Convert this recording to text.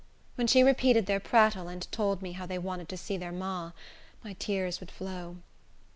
When she repeated their prattle, and told me how they wanted to see their ma, my tears would flow.